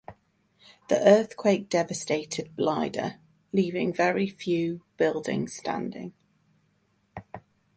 The earthquake devastated Blida leaving very few buildings standing.